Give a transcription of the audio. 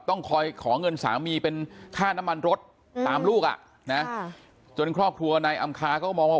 ต้องคอยขอเงินสามีเป็นค่าน้ำมันรถตามลูกอ่ะนะจนครอบครัวนายอำคาก็มองว่า